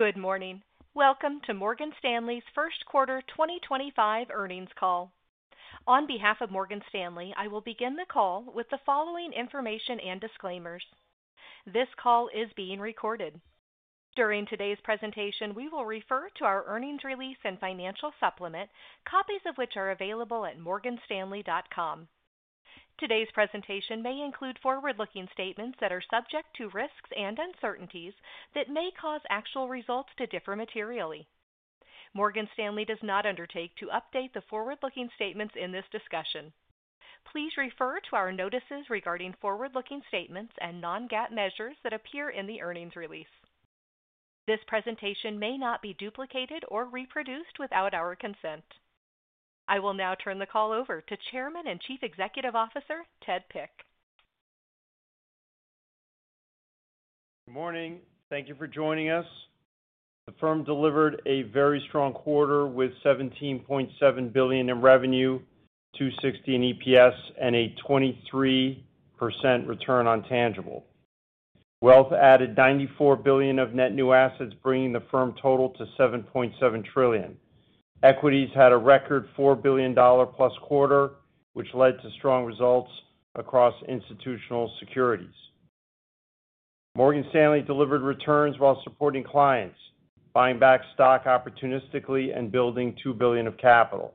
Good morning. Welcome to Morgan Stanley's first quarter 2025 earnings call. On behalf of Morgan Stanley, I will begin the call with the following information and disclaimers. This call is being recorded. During today's presentation, we will refer to our earnings release and financial supplement, copies of which are available at morganstanley.com. Today's presentation may include forward-looking statements that are subject to risks and uncertainties that may cause actual results to differ materially. Morgan Stanley does not undertake to update the forward-looking statements in this discussion. Please refer to our notices regarding forward-looking statements and non-GAAP measures that appear in the earnings release. This presentation may not be duplicated or reproduced without our consent. I will now turn the call over to Chairman and Chief Executive Officer Ted Pick. Good morning. Thank you for joining us. The firm delivered a very strong quarter with $17.7 billion in revenue, $2.60 in EPS, and a 23% return on tangible. Wealth added $94 billion of net new assets, bringing the firm total to $7.7 trillion. Equities had a record $4 billion+ quarter, which led to strong results across institutional securities. Morgan Stanley delivered returns while supporting clients, buying back stock opportunistically, and building $2 billion of capital.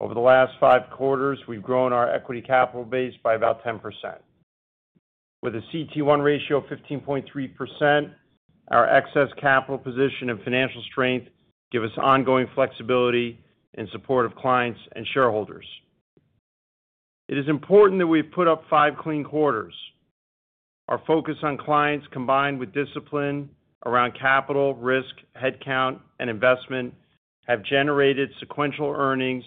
Over the last five quarters, we've grown our equity capital base by about 10%. With a CET1 ratio of 15.3%, our excess capital position and financial strength give us ongoing flexibility in support of clients and shareholders. It is important that we've put up five clean quarters. Our focus on clients, combined with discipline around capital, risk, headcount, and investment, have generated sequential earnings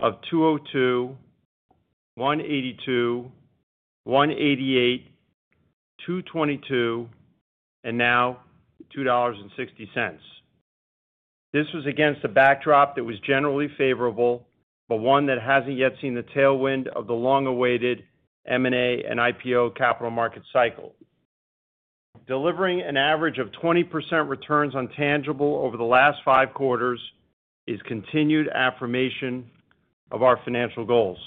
of $2.02, $1.82, $1.88, $2.22, and now $2.60. This was against a backdrop that was generally favorable, but one that hasn't yet seen the tailwind of the long-awaited M&A and IPO capital market cycle. Delivering an average of 20% returns on tangible over the last five quarters is continued affirmation of our financial goals.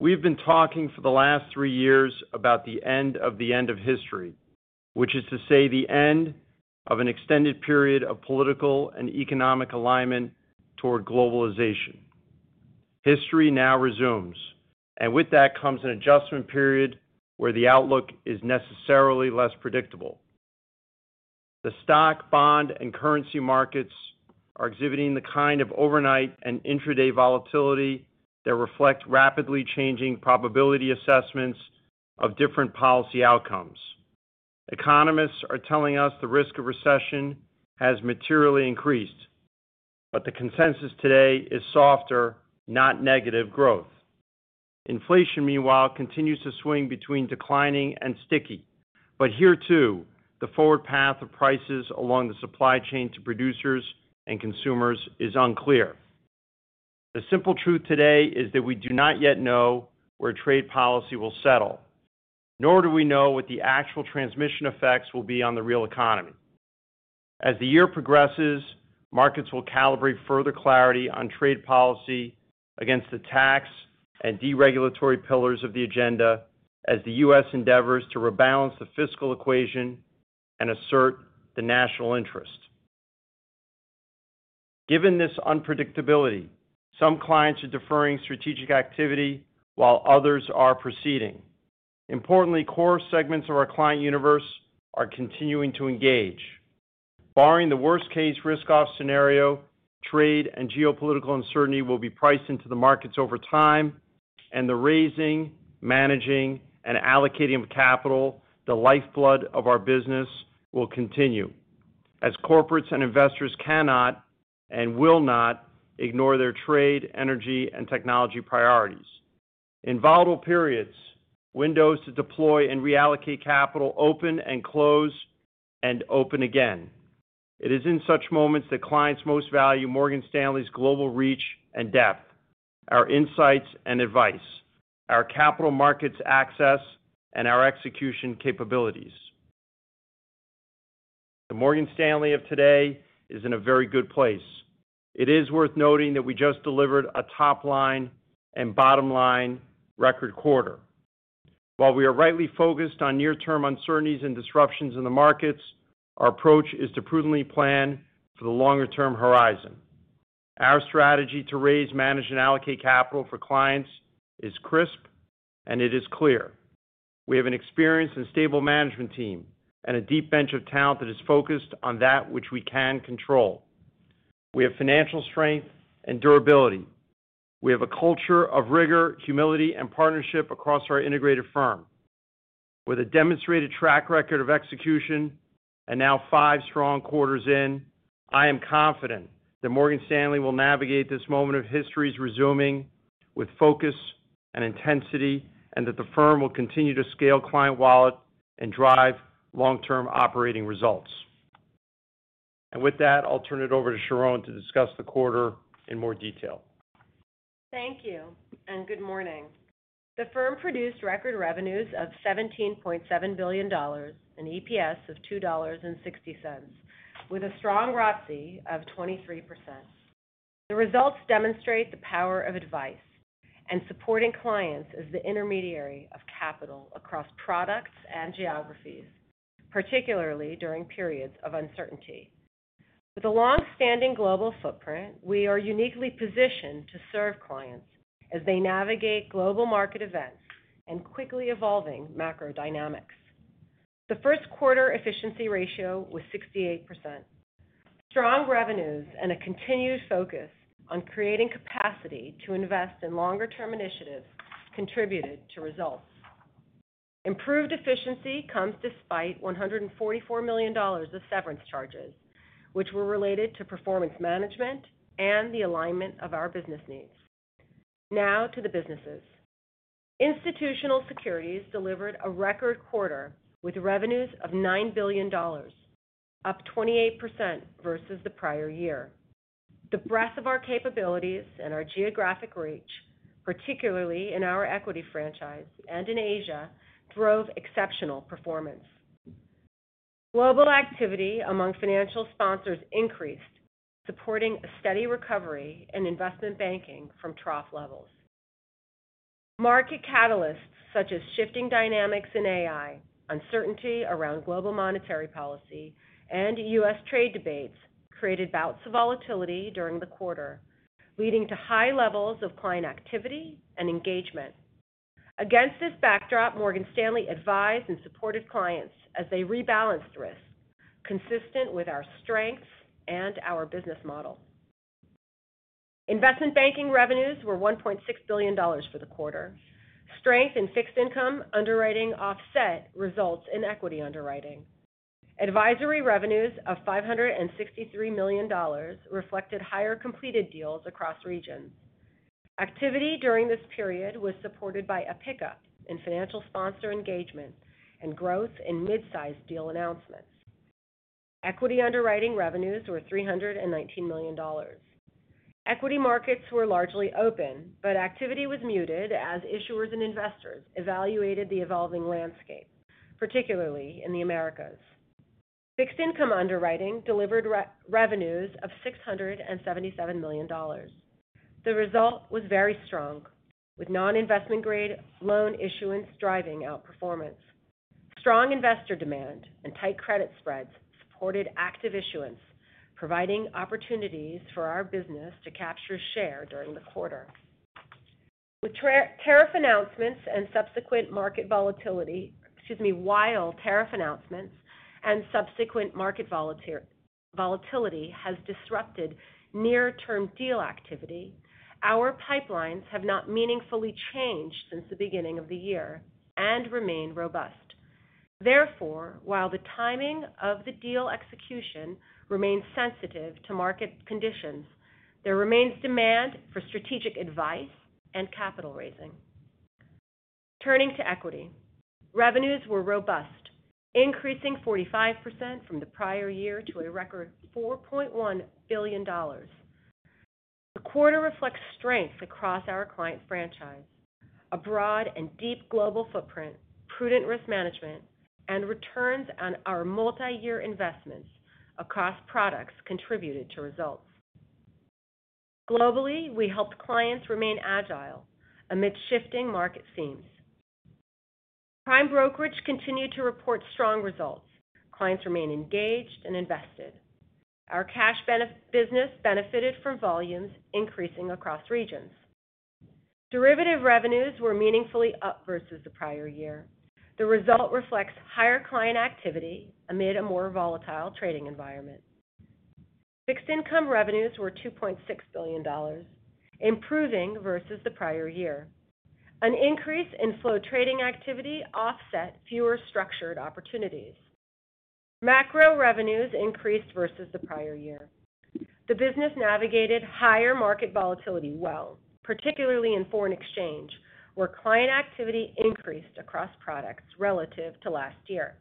We've been talking for the last three years about the end of the end of history, which is to say the end of an extended period of political and economic alignment toward globalization. History now resumes, and with that comes an adjustment period where the outlook is necessarily less predictable. The stock, bond, and currency markets are exhibiting the kind of overnight and intraday volatility that reflect rapidly changing probability assessments of different policy outcomes. Economists are telling us the risk of recession has materially increased, but the consensus today is softer, not negative growth. Inflation, meanwhile, continues to swing between declining and sticky, but here too, the forward path of prices along the supply chain to producers and consumers is unclear. The simple truth today is that we do not yet know where trade policy will settle, nor do we know what the actual transmission effects will be on the real economy. As the year progresses, markets will calibrate further clarity on trade policy against the tax and deregulatory pillars of the agenda as the U.S. endeavors to rebalance the fiscal equation and assert the national interest. Given this unpredictability, some clients are deferring strategic activity while others are proceeding. Importantly, core segments of our client universe are continuing to engage. Barring the worst-case risk-off scenario, trade and geopolitical uncertainty will be priced into the markets over time, and the raising, managing, and allocating of capital, the lifeblood of our business, will continue as corporates and investors cannot and will not ignore their trade, energy, and technology priorities. In volatile periods, windows to deploy and reallocate capital open and close and open again. It is in such moments that clients most value Morgan Stanley's global reach and depth, our insights and advice, our capital markets access, and our execution capabilities. The Morgan Stanley of today is in a very good place. It is worth noting that we just delivered a top-line and bottom-line record quarter. While we are rightly focused on near-term uncertainties and disruptions in the markets, our approach is to prudently plan for the longer-term horizon. Our strategy to raise, manage, and allocate capital for clients is crisp, and it is clear. We have an experienced and stable management team and a deep bench of talent that is focused on that which we can control. We have financial strength and durability. We have a culture of rigor, humility, and partnership across our integrated firm. With a demonstrated track record of execution and now five strong quarters in, I am confident that Morgan Stanley will navigate this moment of history's resuming with focus and intensity and that the firm will continue to scale client wallet and drive long-term operating results. With that, I'll turn it over to Sharon to discuss the quarter in more detail. Thank you and good morning. The firm produced record revenues of $17.7 billion and EPS of $2.60, with a strong ROTCE of 23%. The results demonstrate the power of advice and supporting clients as the intermediary of capital across products and geographies, particularly during periods of uncertainty. With a long-standing global footprint, we are uniquely positioned to serve clients as they navigate global market events and quickly evolving macro dynamics. The first quarter efficiency ratio was 68%. Strong revenues and a continued focus on creating capacity to invest in longer-term initiatives contributed to results. Improved efficiency comes despite $144 million of severance charges, which were related to performance management and the alignment of our business needs. Now to the businesses. Institutional securities delivered a record quarter with revenues of $9 billion, up 28% versus the prior year. The breadth of our capabilities and our geographic reach, particularly in our equity franchise and in Asia, drove exceptional performance. Global activity among financial sponsors increased, supporting a steady recovery in investment banking from trough levels. Market catalysts such as shifting dynamics in AI, uncertainty around global monetary policy, and U.S. trade debates created bouts of volatility during the quarter, leading to high levels of client activity and engagement. Against this backdrop, Morgan Stanley advised and supported clients as they rebalanced risk, consistent with our strengths and our business model. Investment banking revenues were $1.6 billion for the quarter. Strength in fixed income underwriting offset results in equity underwriting. Advisory revenues of $563 million reflected higher completed deals across regions. Activity during this period was supported by a pickup in financial sponsor engagement and growth in mid-sized deal announcements. Equity underwriting revenues were $319 million. Equity markets were largely open, but activity was muted as issuers and investors evaluated the evolving landscape, particularly in the Americas. Fixed income underwriting delivered revenues of $677 million. The result was very strong, with non-investment-grade loan issuance driving out performance. Strong investor demand and tight credit spreads supported active issuance, providing opportunities for our business to capture share during the quarter. While tariff announcements and subsequent market volatility has disrupted near-term deal activity, our pipelines have not meaningfully changed since the beginning of the year and remain robust. Therefore, while the timing of the deal execution remains sensitive to market conditions, there remains demand for strategic advice and capital raising. Turning to equity, revenues were robust, increasing 45% from the prior year to a record $4.1 billion. The quarter reflects strength across our client franchise, a broad and deep global footprint, prudent risk management, and returns on our multi-year investments across products contributed to results. Globally, we helped clients remain agile amid shifting market themes. Prime Brokerage continued to report strong results. Clients remain engaged and invested. Our cash business benefited from volumes increasing across regions. Derivative revenues were meaningfully up versus the prior year. The result reflects higher client activity amid a more volatile trading environment. Fixed income revenues were $2.6 billion, improving versus the prior year. An increase in flow trading activity offset fewer structured opportunities. Macro revenues increased versus the prior year. The business navigated higher market volatility well, particularly in foreign exchange, where client activity increased across products relative to last year.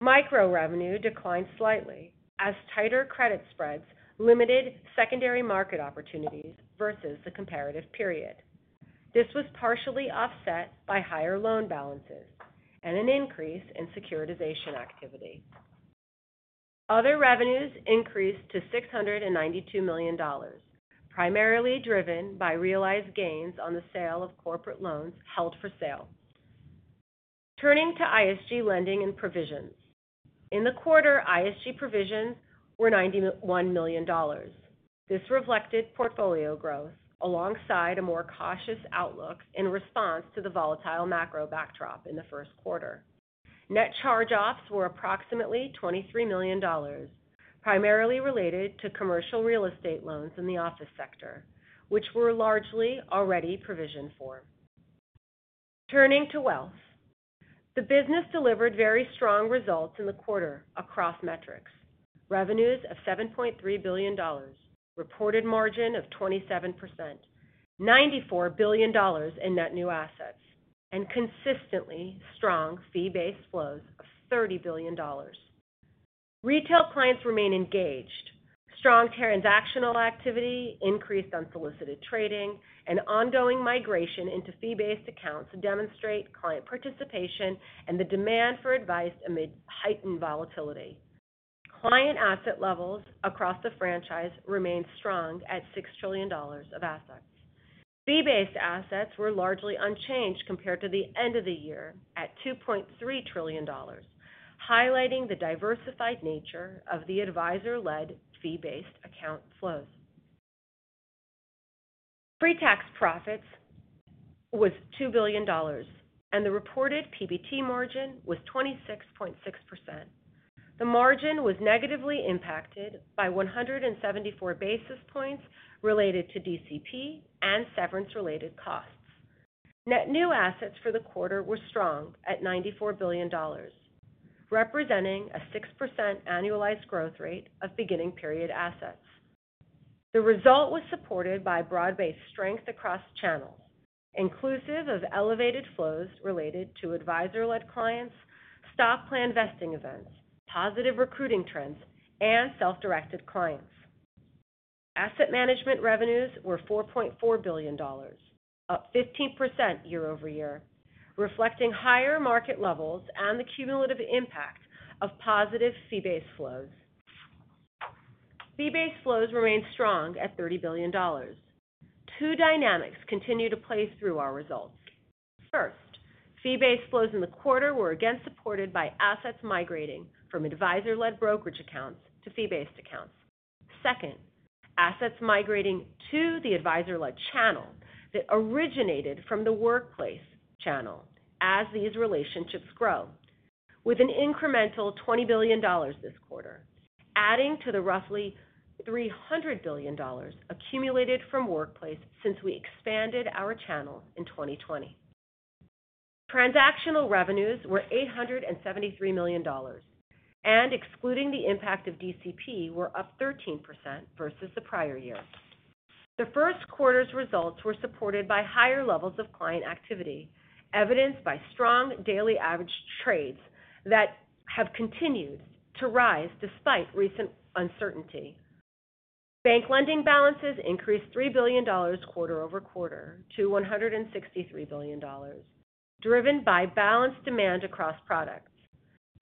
Micro revenue declined slightly as tighter credit spreads limited secondary market opportunities versus the comparative period. This was partially offset by higher loan balances and an increase in securitization activity. Other revenues increased to $692 million, primarily driven by realized gains on the sale of corporate loans held for sale. Turning to ISG lending and provisions. In the quarter, ISG provisions were $91 million. This reflected portfolio growth alongside a more cautious outlook in response to the volatile macro backdrop in the first quarter. Net charge-offs were approximately $23 million, primarily related to commercial real estate loans in the office sector, which were largely already provisioned for. Turning to wealth. The business delivered very strong results in the quarter across metrics. Revenues of $7.3 billion, reported margin of 27%, $94 billion in net new assets, and consistently strong fee-based flows of $30 billion. Retail clients remain engaged. Strong transactional activity increased on solicited trading, and ongoing migration into fee-based accounts demonstrate client participation and the demand for advice amid heightened volatility. Client asset levels across the franchise remained strong at $6 trillion of assets. Fee-based assets were largely unchanged compared to the end of the year at $2.3 trillion, highlighting the diversified nature of the advisor-led fee-based account flows. Pre-tax profits were $2 billion, and the reported PBT margin was 26.6%. The margin was negatively impacted by 174 basis points related to DCP and severance-related costs. Net new assets for the quarter were strong at $94 billion, representing a 6% annualized growth rate of beginning period assets. The result was supported by broad-based strength across channels, inclusive of elevated flows related to advisor-led clients, stock plan vesting events, positive recruiting trends, and self-directed clients. Asset management revenues were $4.4 billion, up 15% year-over-year, reflecting higher market levels and the cumulative impact of positive fee-based flows. Fee-based flows remained strong at $30 billion. Two dynamics continue to play through our results. First, fee-based flows in the quarter were again supported by assets migrating from advisor-led brokerage accounts to fee-based accounts. Second, assets migrating to the advisor-led channel that originated from the workplace channel as these relationships grow, with an incremental $20 billion this quarter, adding to the roughly $300 billion accumulated from workplace since we expanded our channel in 2020. Transactional revenues were $873 million, and excluding the impact of DCP, were up 13% versus the prior year. The first quarter's results were supported by higher levels of client activity, evidenced by strong daily average trades that have continued to rise despite recent uncertainty. Bank lending balances increased $3 billion quarter-over-quarter to $163 billion, driven by balanced demand across products.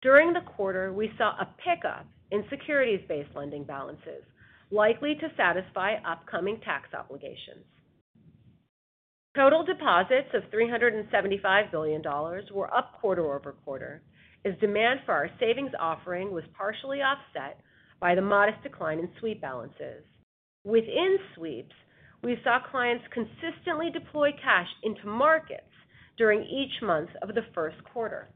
During the quarter, we saw a pickup in securities-based lending balances, likely to satisfy upcoming tax obligations. Total deposits of $375 billion were up quarter-over-quarter as demand for our savings offering was partially offset by the modest decline in sweep balances. Within sweeps, we saw clients consistently deploy cash into markets during each month of the first quarter.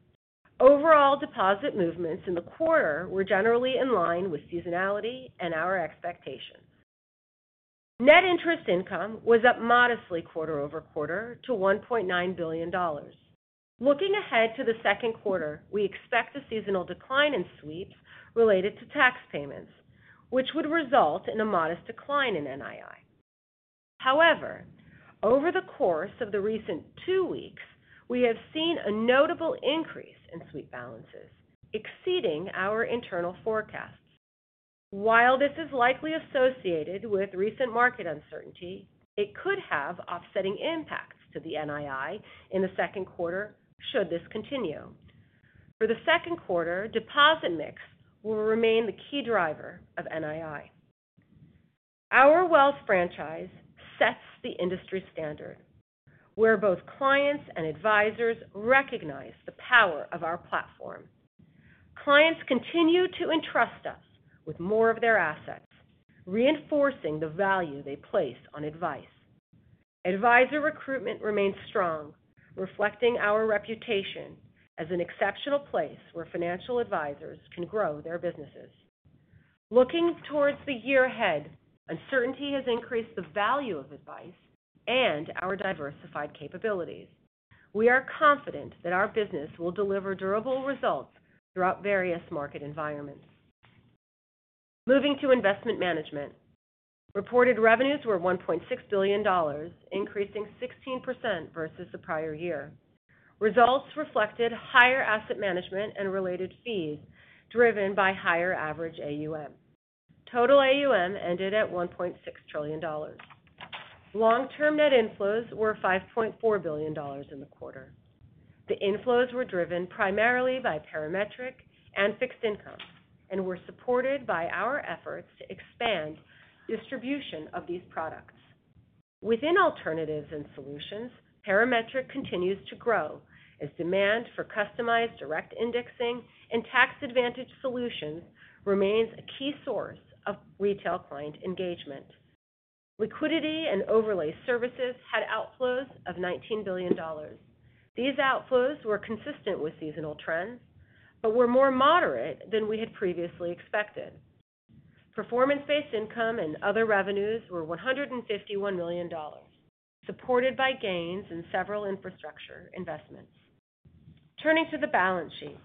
Overall deposit movements in the quarter were generally in line with seasonality and our expectation. Net interest income was up modestly quarter-over-quarter to $1.9 billion. Looking ahead to the second quarter, we expect a seasonal decline in sweeps related to tax payments, which would result in a modest decline in NII. However, over the course of the recent two weeks, we have seen a notable increase in sweep balances, exceeding our internal forecasts. While this is likely associated with recent market uncertainty, it could have offsetting impacts to the NII in the second quarter should this continue. For the second quarter, deposit mix will remain the key driver of NII. Our wealth franchise sets the industry standard, where both clients and advisors recognize the power of our platform. Clients continue to entrust us with more of their assets, reinforcing the value they place on advice. Advisor recruitment remains strong, reflecting our reputation as an exceptional place where financial advisors can grow their businesses. Looking towards the year ahead, uncertainty has increased the value of advice and our diversified capabilities. We are confident that our business will deliver durable results throughout various market environments. Moving to investment management, reported revenues were $1.6 billion, increasing 16% versus the prior year. Results reflected higher asset management and related fees driven by higher average AUM. Total AUM ended at $1.6 trillion. Long-term net inflows were $5.4 billion in the quarter. The inflows were driven primarily by parametric and fixed income and were supported by our efforts to expand distribution of these products. Within alternatives and solutions, parametric continues to grow as demand for customized direct indexing and tax-advantaged solutions remains a key source of retail client engagement. Liquidity and overlay services had outflows of $19 billion. These outflows were consistent with seasonal trends but were more moderate than we had previously expected. Performance-based income and other revenues were $151 million, supported by gains in several infrastructure investments. Turning to the balance sheet,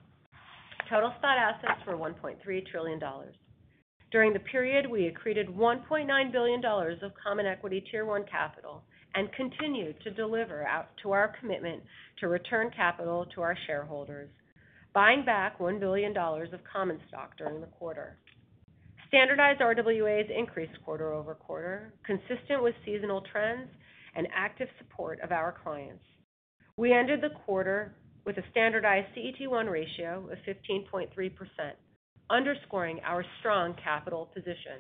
total spot assets were $1.3 trillion. During the period, we accreted $1.9 billion of common equity tier one capital and continued to deliver out to our commitment to return capital to our shareholders, buying back $1 billion of common stock during the quarter. Standardized RWAs increased quarter-over-quarter, consistent with seasonal trends and active support of our clients. We ended the quarter with a standardized CET1 ratio of 15.3%, underscoring our strong capital position.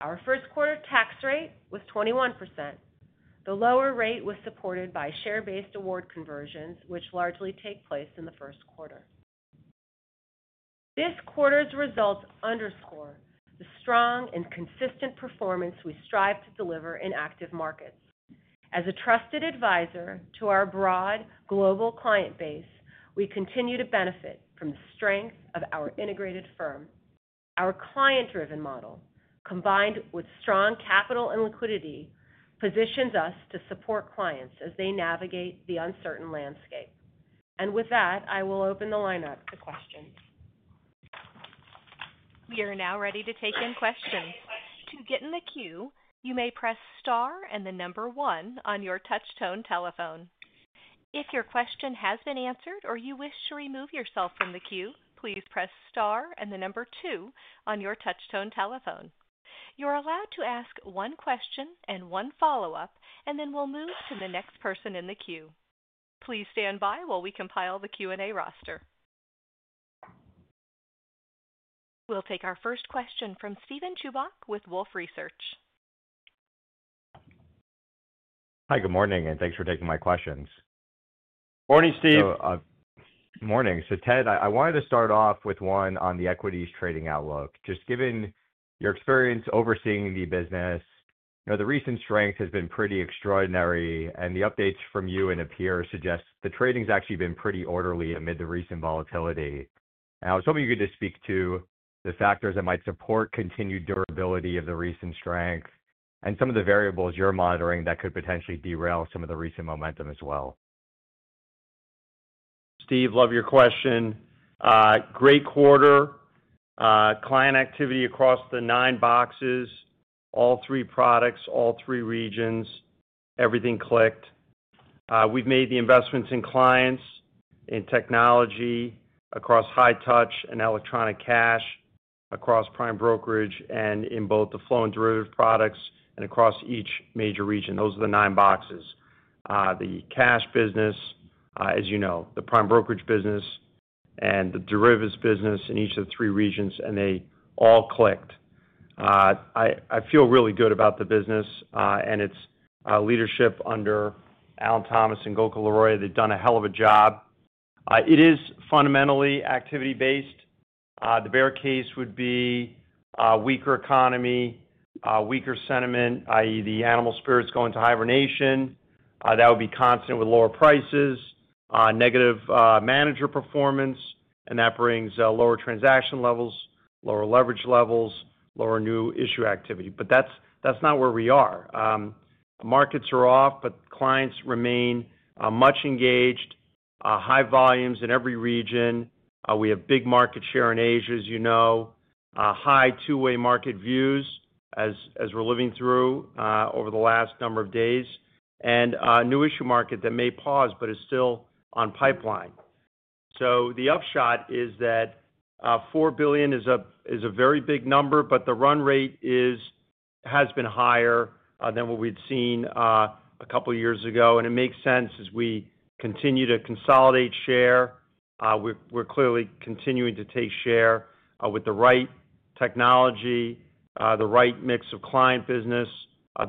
Our first quarter tax rate was 21%. The lower rate was supported by share-based award conversions, which largely take place in the first quarter. This quarter's results underscore the strong and consistent performance we strive to deliver in active markets. As a trusted advisor to our broad global client base, we continue to benefit from the strength of our integrated firm. Our client-driven model, combined with strong capital and liquidity, positions us to support clients as they navigate the uncertain landscape. With that, I will open the line up to questions. We are now ready to take in questions. To get in the queue, you may press star and the number one on your touchtone telephone. If your question has been answered or you wish to remove yourself from the queue, please press star and the number two on your touchtone telephone. You're allowed to ask one question and one follow-up, and then we'll move to the next person in the queue. Please stand by while we compile the Q&A roster. We'll take our first question from Steven Chubak with Wolfe Research. Hi, good morning, and thanks for taking my questions. Morning, Steve. Good morning. Ted, I wanted to start off with one on the equities trading outlook. Just given your experience overseeing the business, the recent strength has been pretty extraordinary, and the updates from you and a peer suggest the trading's actually been pretty orderly amid the recent volatility. I was hoping you could just speak to the factors that might support continued durability of the recent strength and some of the variables you're monitoring that could potentially derail some of the recent momentum as well. Steve, love your question. Great quarter. Client activity across the nine boxes, all three products, all three regions, everything clicked. We've made the investments in clients, in technology across high touch and electronic cash, across prime brokerage and in both the flow and derivative products, and across each major region. Those are the nine boxes. The cash business, as you know, the prime brokerage business, and the derivatives business in each of the three regions, and they all clicked. I feel really good about the business, and its leadership under Alan Thomas and Gokul Leroy that have done a hell of a job. It is fundamentally activity-based. The better case would be a weaker economy, weaker sentiment, i.e., the animal spirits going to hibernation. That would be consistent with lower prices, negative manager performance, and that brings lower transaction levels, lower leverage levels, lower new issue activity. That's not where we are. Markets are off, but clients remain much engaged, high volumes in every region. We have big market share in Asia, as you know, high two-way market views as we're living through over the last number of days, and new issue market that may pause but is still on pipeline. The upshot is that $4 billion is a very big number, but the run rate has been higher than what we'd seen a couple of years ago. It makes sense as we continue to consolidate share. We're clearly continuing to take share with the right technology, the right mix of client business,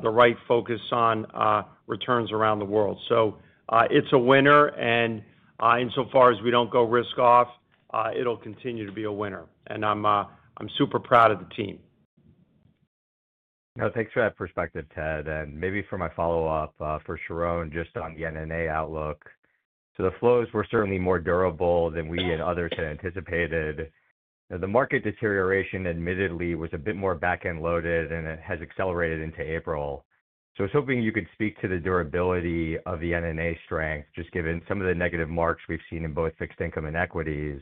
the right focus on returns around the world. It's a winner, and insofar as we don't go risk-off, it'll continue to be a winner. I'm super proud of the team. No, thanks for that perspective, Ted. Maybe for my follow-up for Sharon just on the NNA outlook. The flows were certainly more durable than we and others had anticipated. The market deterioration admittedly was a bit more back-end loaded, and it has accelerated into April. I was hoping you could speak to the durability of the NNA strength, just given some of the negative marks we've seen in both fixed income and equities.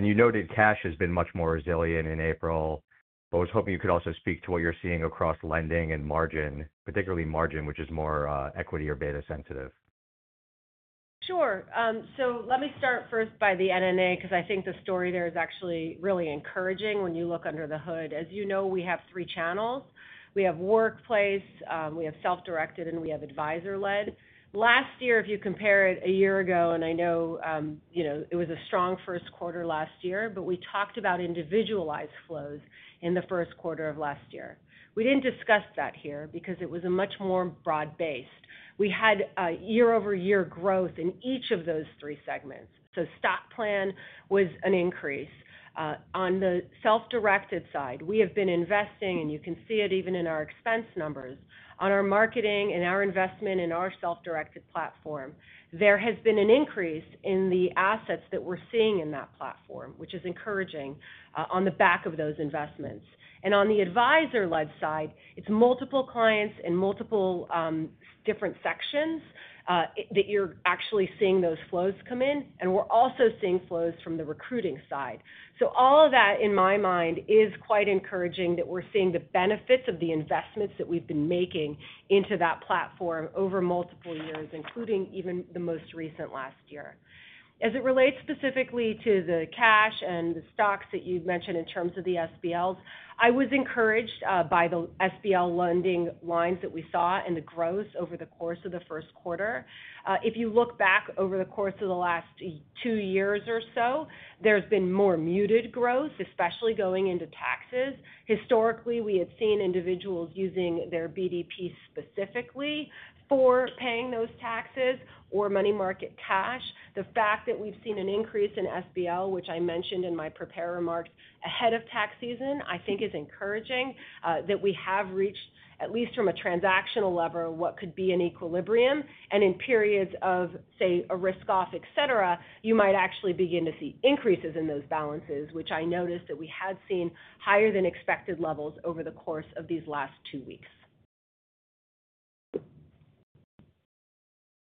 You noted cash has been much more resilient in April, but I was hoping you could also speak to what you're seeing across lending and margin, particularly margin, which is more equity or beta sensitive. Sure. Let me start first by the NNA because I think the story there is actually really encouraging when you look under the hood. As you know, we have three channels. We have workplace, we have self-directed, and we have advisor-led. Last year, if you compare it a year ago, and I know it was a strong first quarter last year, we talked about individualized flows in the first quarter of last year. We did not discuss that here because it was much more broad based. We had year-over-year growth in each of those three segments. Stock plan was an increase. On the self-directed side, we have been investing, and you can see it even in our expense numbers, on our marketing and our investment in our self-directed platform. There has been an increase in the assets that we are seeing in that platform, which is encouraging on the back of those investments. On the advisor-led side, it is multiple clients and multiple different sections that you are actually seeing those flows come in, and we are also seeing flows from the recruiting side. All of that, in my mind, is quite encouraging that we are seeing the benefits of the investments that we have been making into that platform over multiple years, including even the most recent last year. As it relates specifically to the cash and the stocks that you mentioned in terms of the SBLs, I was encouraged by the SBL lending lines that we saw and the growth over the course of the first quarter. If you look back over the course of the last two years or so, there's been more muted growth, especially going into taxes. Historically, we had seen individuals using their BDP specifically for paying those taxes or money market cash. The fact that we've seen an increase in SBL, which I mentioned in my prepared remarks ahead of tax season, I think is encouraging that we have reached, at least from a transactional level, what could be an equilibrium. In periods of, say, a risk-off, etc., you might actually begin to see increases in those balances, which I noticed that we had seen higher than expected levels over the course of these last two weeks.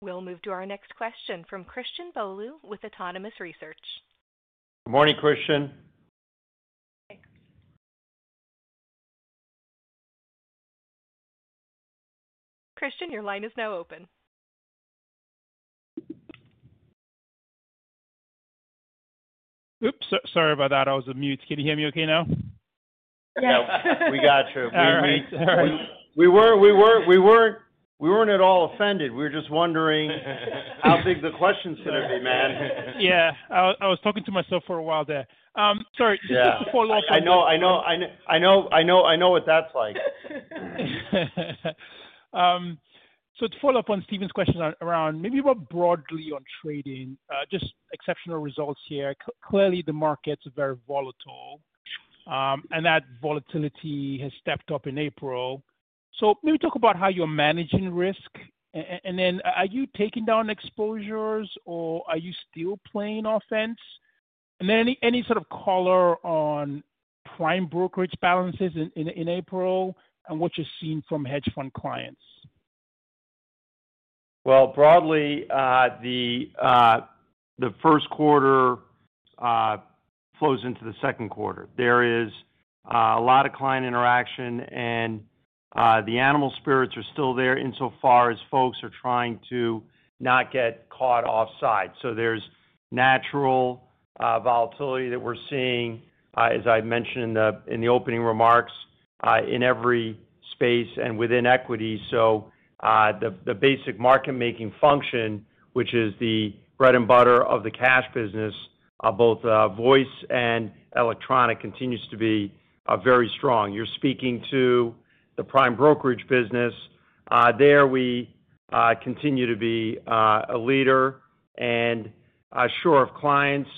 We'll move to our next question from Christian Bolu with Autonomous Research. Good morning, Christian. Thanks. Christian, your line is now open. Sorry about that. I was on mute. Can you hear me okay now? Yes. We got you. We were not at all offended. We were just wondering how big the question's going to be, man. Yeah. I was talking to myself for a while there. Sorry, just to follow up on. I know. I know what that's like. To follow up on Steven's question around maybe more broadly on trading, just exceptional results here. Clearly, the market's very volatile, and that volatility has stepped up in April. Maybe talk about how you're managing risk. Are you taking down exposures, or are you still playing offense? Any sort of color on prime brokerage balances in April and what you're seeing from hedge fund clients? Broadly, the first quarter flows into the second quarter. There is a lot of client interaction, and the animal spirits are still there insofar as folks are trying to not get caught offside. There's natural volatility that we're seeing, as I mentioned in the opening remarks, in every space and within equity. The basic market-making function, which is the bread and butter of the cash business, both voice and electronic, continues to be very strong. You're speaking to the prime brokerage business. There we continue to be a leader. If clients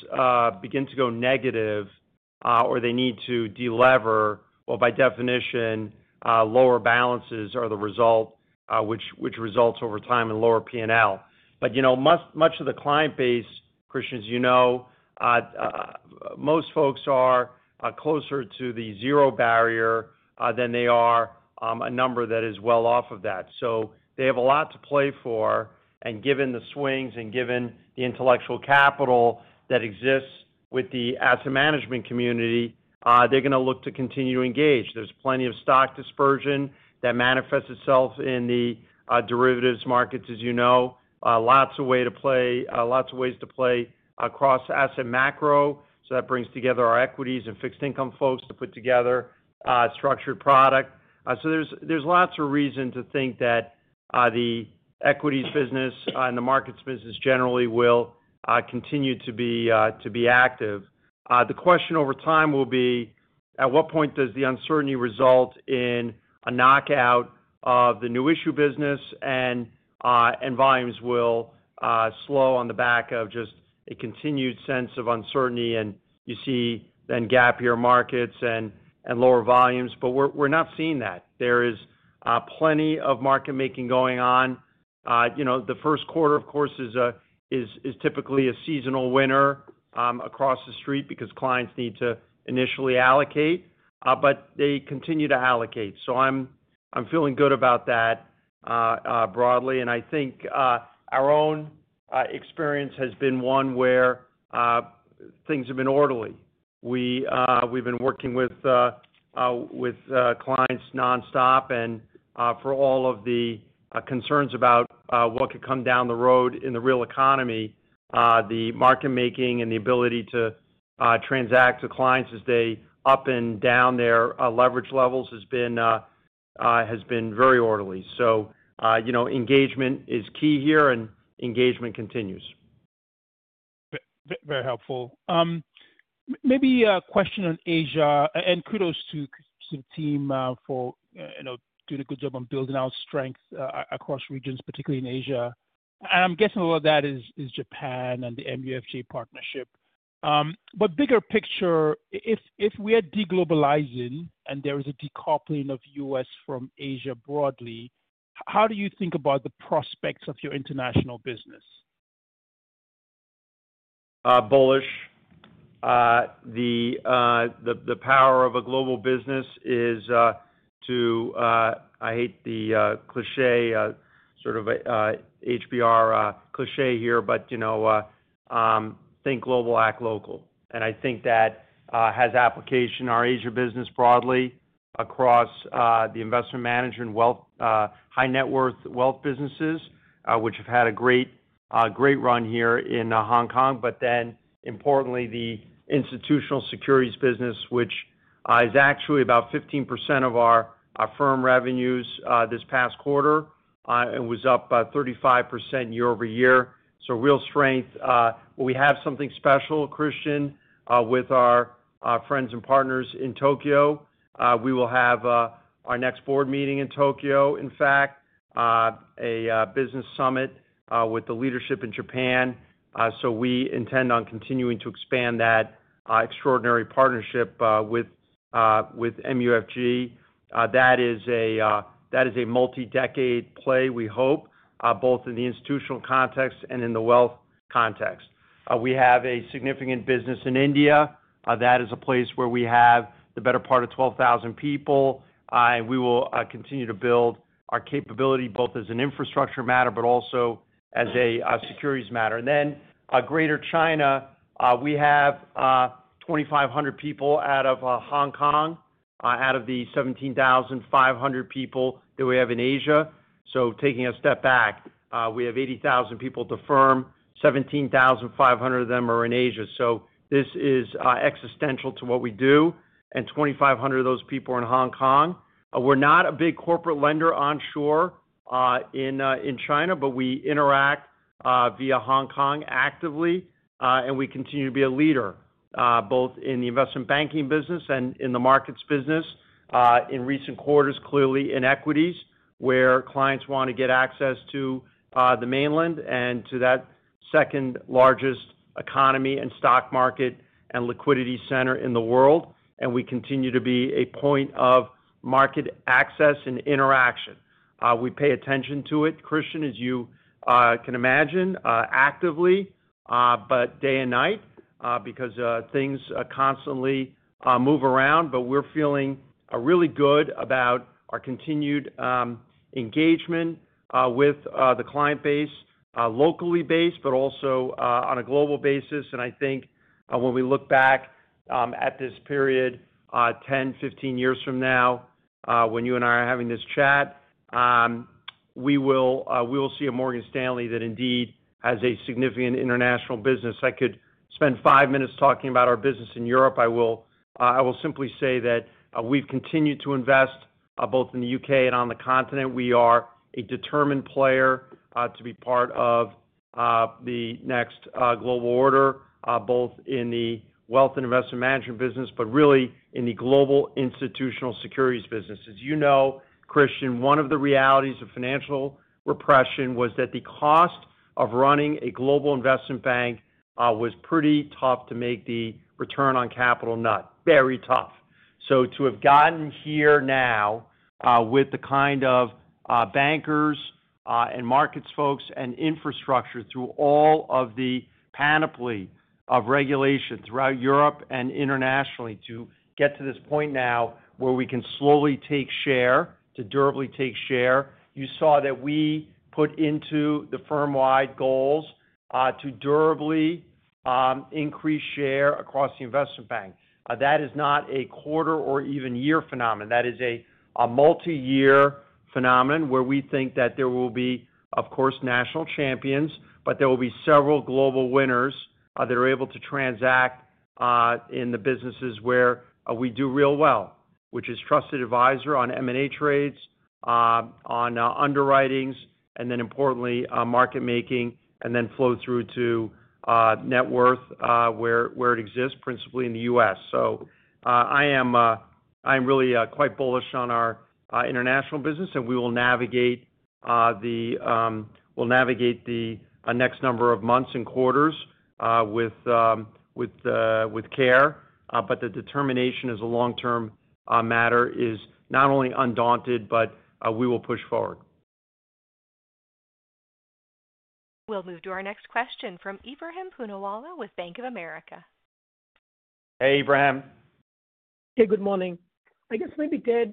begin to go negative or they need to deliver, by definition, lower balances are the result, which results over time in lower P&L. Much of the client base, Christian, as you know, most folks are closer to the zero barrier than they are a number that is well off of that. They have a lot to play for. Given the swings and given the intellectual capital that exists with the asset management community, they're going to look to continue to engage. There's plenty of stock dispersion that manifests itself in the derivatives markets, as you know, lots of ways to play across asset macro. That brings together our equities and fixed income folks to put together structured product. There is lots of reason to think that the equities business and the markets business generally will continue to be active. The question over time will be, at what point does the uncertainty result in a knockout of the new issue business, and volumes will slow on the back of just a continued sense of uncertainty? You see then gap year markets and lower volumes, but we're not seeing that. There is plenty of market-making going on. The first quarter, of course, is typically a seasonal winner across the street because clients need to initially allocate, but they continue to allocate. I'm feeling good about that broadly. I think our own experience has been one where things have been orderly. We've been working with clients nonstop. For all of the concerns about what could come down the road in the real economy, the market-making and the ability to transact to clients as they up and down their leverage levels has been very orderly. Engagement is key here, and engagement continues. Very helpful. Maybe a question on Asia, and kudos to the team for doing a good job on building out strength across regions, particularly in Asia. I'm guessing a lot of that is Japan and the MUFG partnership. Bigger picture, if we are deglobalizing and there is a decoupling of the U.S. from Asia broadly, how do you think about the prospects of your international business? Bullish. The power of a global business is to—I hate the cliché, sort of HBR cliché here—think global, act local. I think that has application in our Asia business broadly across the investment management, high-net-worth wealth businesses, which have had a great run here in Hong Kong. Importantly, the institutional securities business, which is actually about 15% of our firm revenues this past quarter and was up 35% year-over-year. Real strength. We have something special, Christian, with our friends and partners in Tokyo. We will have our next board meeting in Tokyo, in fact, a business summit with the leadership in Japan. We intend on continuing to expand that extraordinary partnership with MUFG. That is a multi-decade play, we hope, both in the institutional context and in the wealth context. We have a significant business in India. That is a place where we have the better part of 12,000 people, and we will continue to build our capability both as an infrastructure matter but also as a securities matter. Then Greater China, we have 2,500 people out of Hong Kong, out of the 17,500 people that we have in Asia. Taking a step back, we have 80,000 people at the firm. 17,500 of them are in Asia. This is existential to what we do. Five hundred of those people are in Hong Kong. We're not a big corporate lender onshore in China, but we interact via Hong Kong actively, and we continue to be a leader both in the investment banking business and in the markets business. In recent quarters, clearly in equities where clients want to get access to the mainland and to that second-largest economy and stock market and liquidity center in the world. We continue to be a point of market access and interaction. We pay attention to it, Christian, as you can imagine, actively, but day and night because things constantly move around. We're feeling really good about our continued engagement with the client base, locally based, but also on a global basis. I think when we look back at this period, 10, 15 years from now, when you and I are having this chat, we will see a Morgan Stanley that indeed has a significant international business. I could spend five minutes talking about our business in Europe. I will simply say that we've continued to invest both in the U.K. and on the continent. We are a determined player to be part of the next global order, both in the wealth and investment management business, but really in the global institutional securities business. As you know, Christian, one of the realities of financial repression was that the cost of running a global investment bank was pretty tough to make the return on capital nut, very tough. To have gotten here now with the kind of bankers and markets folks and infrastructure through all of the panoply of regulation throughout Europe and internationally to get to this point now where we can slowly take share, to durably take share, you saw that we put into the firm-wide goals to durably increase share across the investment bank. That is not a quarter or even year phenomenon. That is a multi-year phenomenon where we think that there will be, of course, national champions, but there will be several global winners that are able to transact in the businesses where we do real well, which is trusted advisor on M&A trades, on underwritings, and then importantly, market-making, and then flow through to net worth where it exists, principally in the U.S. I am really quite bullish on our international business, and we will navigate the next number of months and quarters with care. The determination as a long-term matter is not only undaunted, but we will push forward. We'll move to our next question from Ebrahim Poonawala with Bank of America. Hey, Ebrahim. Okay. Good morning. I guess maybe Ted,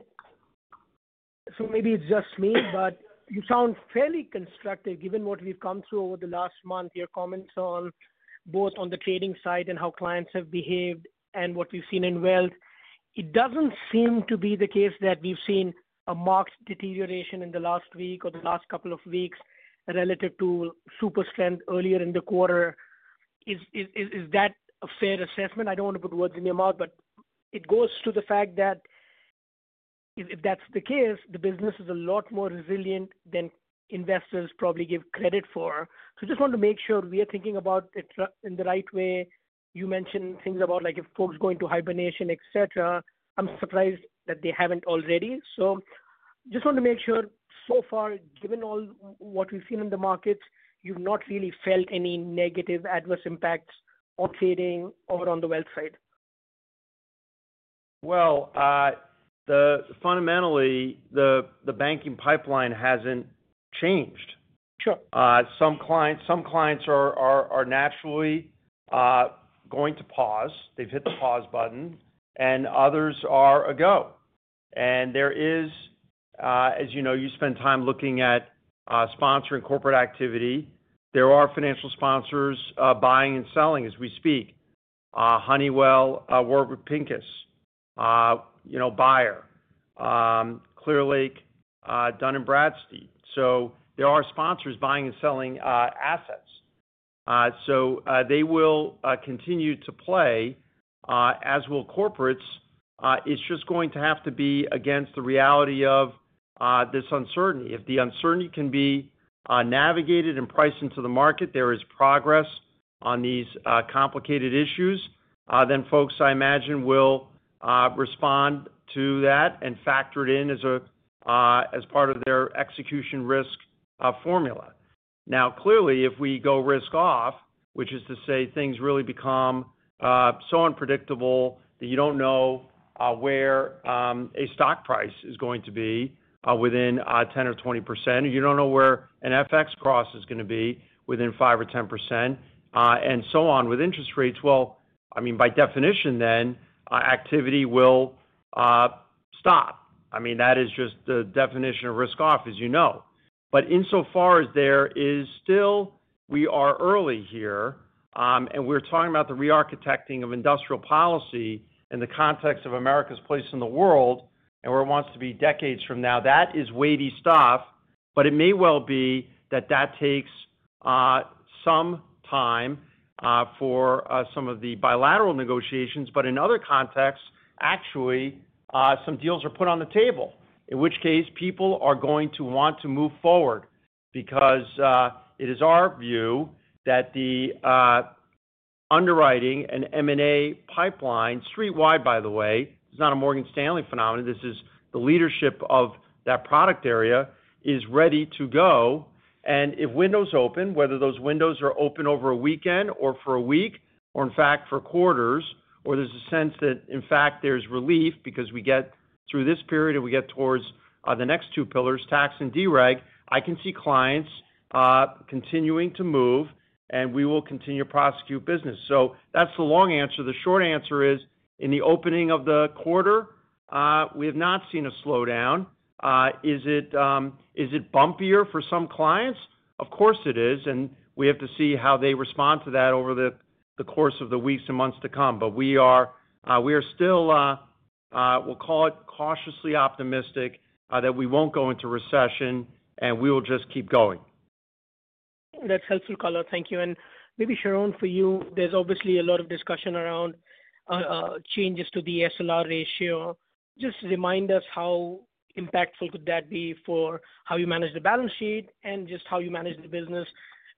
so maybe it's just me, but you sound fairly constructive given what we've come through over the last month, your comments on both on the trading side and how clients have behaved and what we've seen in wealth. It doesn't seem to be the case that we've seen a marked deterioration in the last week or the last couple of weeks relative to super strength earlier in the quarter. Is that a fair assessment? I don't want to put words in your mouth, but it goes to the fact that if that's the case, the business is a lot more resilient than investors probably give credit for. I just want to make sure we are thinking about it in the right way. You mentioned things about if folks going to hibernation, etc. I'm surprised that they haven't already. I just want to make sure so far, given all what we've seen in the markets, you've not really felt any negative adverse impacts on trading or on the wealth side? Fundamentally, the banking pipeline hasn't changed. Some clients are naturally going to pause. They've hit the pause button, and others are ago. There is, as you know, you spend time looking at sponsoring corporate activity. There are financial sponsors buying and selling as we speak. Honeywell, Warburg Pincus, Bayer, Clearlake, Dun & Bradstreet. There are sponsors buying and selling assets. They will continue to play, as will corporates. It is just going to have to be against the reality of this uncertainty. If the uncertainty can be navigated and priced into the market, there is progress on these complicated issues, then folks, I imagine, will respond to that and factor it in as part of their execution risk formula. Now, clearly, if we go risk off, which is to say things really become so unpredictable that you do not know where a stock price is going to be within 10% or 20%, or you do not know where an FX cross is going to be within 5% or 10%, and so on with interest rates, I mean, by definition then, activity will stop. I mean, that is just the definition of risk off, as you know. Insofar as there is still, we are early here, and we're talking about the re-architecting of industrial policy in the context of America's place in the world and where it wants to be decades from now, that is weighty stuff. It may well be that that takes some time for some of the bilateral negotiations. In other contexts, actually, some deals are put on the table, in which case people are going to want to move forward because it is our view that the underwriting and M&A pipeline, streetwide, by the way, it's not a Morgan Stanley phenomenon. This is the leadership of that product area is ready to go. If windows open, whether those windows are open over a weekend or for a week or, in fact, for quarters, or there is a sense that, in fact, there is relief because we get through this period and we get towards the next two pillars, tax and dereg, I can see clients continuing to move, and we will continue to prosecute business. That is the long answer. The short answer is, in the opening of the quarter, we have not seen a slowdown. Is it bumpier for some clients? Of course it is. We have to see how they respond to that over the course of the weeks and months to come. We are still, we will call it cautiously optimistic that we will not go into recession, and we will just keep going. That is helpful, color. Thank you. Maybe, Sharon, for you, there's obviously a lot of discussion around changes to the SLR ratio. Just remind us how impactful could that be for how you manage the balance sheet and just how you manage the business.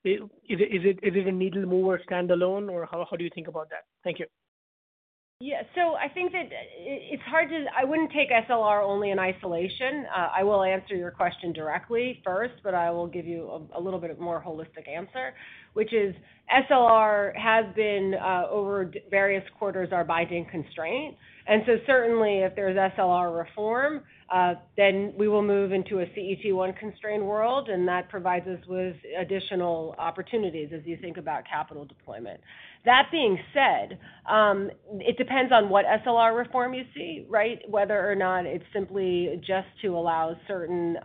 Is it a needle mover standalone, or how do you think about that? Thank you. Yeah. I think that it's hard to—I wouldn't take SLR only in isolation. I will answer your question directly first, but I will give you a little bit more holistic answer, which is SLR has been over various quarters our binding constraint. Certainly, if there's SLR reform, then we will move into a CET1 constrained world, and that provides us with additional opportunities as you think about capital deployment. That being said, it depends on what SLR reform you see, right, whether or not it's simply just to allow certain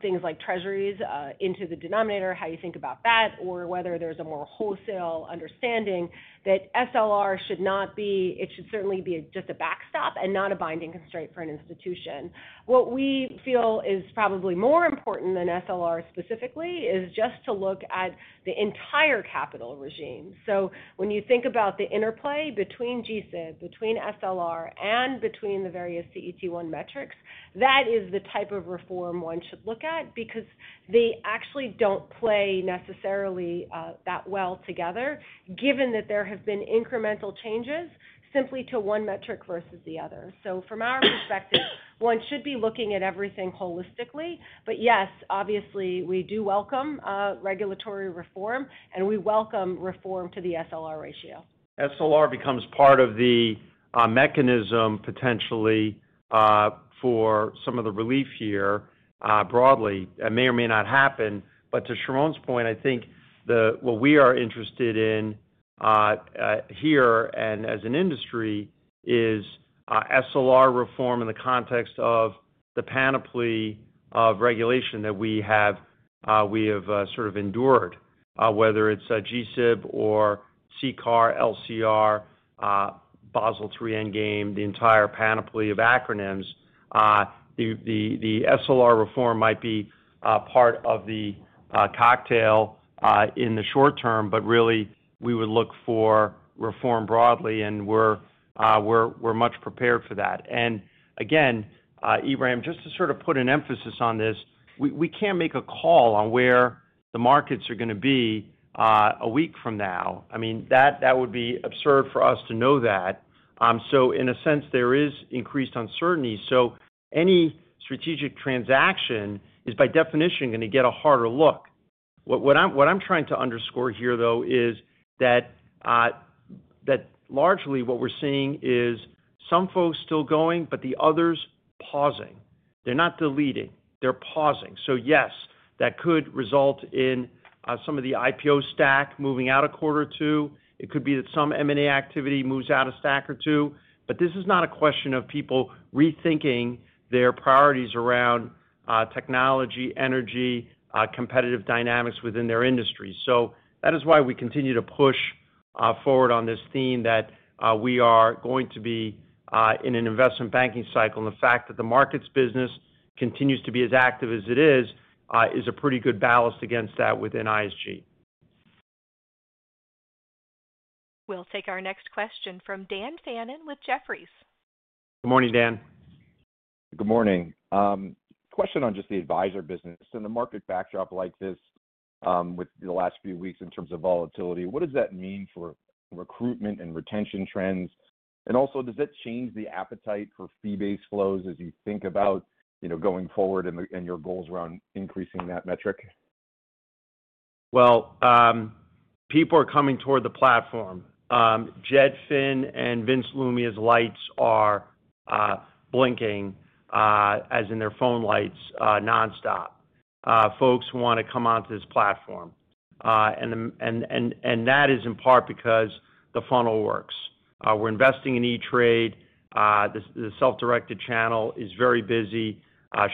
things like treasuries into the denominator, how you think about that, or whether there's a more wholesale understanding that SLR should not be—it should certainly be just a backstop and not a binding constraint for an institution. What we feel is probably more important than SLR specifically is just to look at the entire capital regime. When you think about the interplay between G-SIB, between SLR, and between the various CET1 metrics, that is the type of reform one should look at because they actually don't play necessarily that well together, given that there have been incremental changes simply to one metric versus the other. From our perspective, one should be looking at everything holistically. Yes, obviously, we do welcome regulatory reform, and we welcome reform to the SLR ratio. SLR becomes part of the mechanism potentially for some of the relief here broadly. It may or may not happen. To Sharon's point, I think what we are interested in here and as an industry is SLR reform in the context of the panoply of regulation that we have sort of endured, whether it's G-SIB or CECAR, LCR, Basel III endgame, the entire panoply of acronyms. The SLR reform might be part of the cocktail in the short term, but really, we would look for reform broadly, and we're much prepared for that. Again, Ibrahim, just to sort of put an emphasis on this, we can't make a call on where the markets are going to be a week from now. I mean, that would be absurd for us to know that. In a sense, there is increased uncertainty. Any strategic transaction is by definition going to get a harder look. What I'm trying to underscore here, though, is that largely what we're seeing is some folks still going, but the others pausing. They're not deleting. They're pausing. Yes, that could result in some of the IPO stack moving out a quarter or two. It could be that some M&A activity moves out a stack or two. This is not a question of people rethinking their priorities around technology, energy, competitive dynamics within their industry. That is why we continue to push forward on this theme that we are going to be in an investment banking cycle. The fact that the markets business continues to be as active as it is is a pretty good balance against that within ISG. We'll take our next question from Dan Fannon with Jefferies. Good morning, Dan. Good morning. Question on just the advisor business. In a market backdrop like this with the last few weeks in terms of volatility, what does that mean for recruitment and retention trends? Also, does that change the appetite for fee-based flows as you think about going forward and your goals around increasing that metric? People are coming toward the platform. Jed Finn and Vince Lumia's lights are blinking, as in their phone lights, nonstop. Folks want to come onto this platform. That is in part because the funnel works. We're investing in E*TRADE. The self-directed channel is very busy.